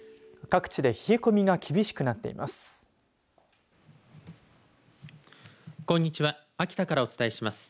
各地で冷え込みが厳しくなっています。